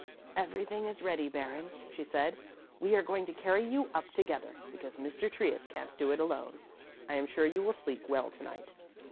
"Everything is ready, Baron," she said; "we are going to carry you up together, because Mr. Trius can't do it alone. I am sure you will sleep well to night."